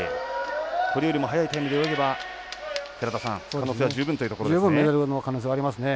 これよりも速いタイムで泳げば寺田さん可能性は十分というところですね。